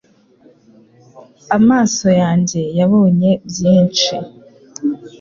amaso yanjye yabonye byinshi